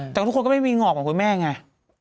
แต่ทุกคนก็ไม่มีงอกของคุณแม่ไง